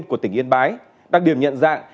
của tỉnh yên bái đặc điểm nhận dạng